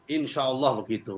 insya allah begitu